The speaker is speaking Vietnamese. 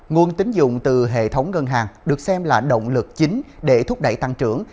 nguồn tính dụng từ hệ thống ngân hàng được xem là động lực chính để thúc đẩy tăng trưởng